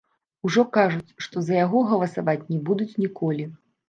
Ужо кажуць што за яго галасаваць не будуць ніколі.